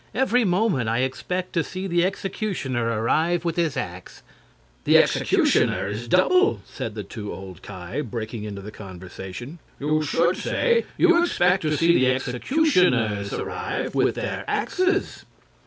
Every moment I expect to see the executioner arrive with his ax." "The executioner is double," said the two old Ki, breaking into the conversation. "You should say you expect to see the executioners arrive with their axes."